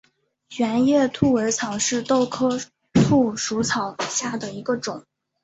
圆叶兔尾草为豆科兔尾草属下的一个种。